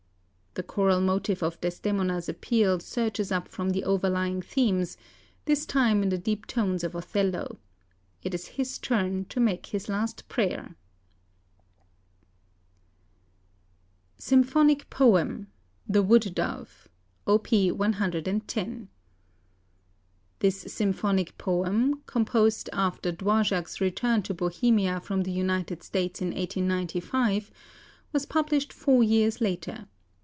"The choral motif of Desdemona's appeal surges up from the overlying themes, this time in the deep tones of Othello. It is his turn to make his last prayer." SYMPHONIC POEM, "THE WOOD DOVE": Op. 110 This symphonic poem, composed after Dvořák's return to Bohemia from the United States in 1895, was published four years later.